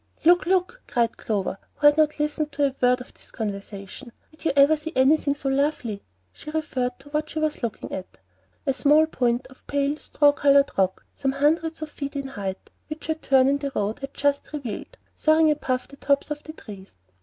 "Look, look!" cried Clover, who had not listened to a word of this conversation; "did you ever see anything so lovely?" She referred to what she was looking at, a small point of pale straw colored rock some hundreds of feet in height, which a turn in the road had just revealed, soaring above the tops of the trees.